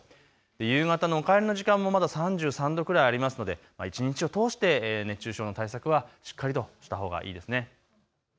夕方のお帰りの時間もまだ３３度くらいありますので一日を通して熱中症の対策はしっかりとしたほうがいいですね。